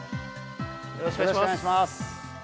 よろしくお願いします。